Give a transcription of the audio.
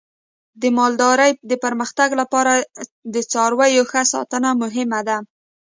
د مالدارۍ د پرمختګ لپاره د څارویو ښه ساتنه مهمه ده.